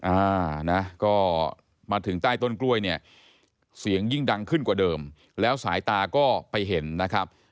อ่านะก็มาถึงใต้ต้นกล้วยเนี่ยเสียงยิ่งดังขึ้นกว่าเดิมแล้วสายตาก็ไปเห็นนะครับ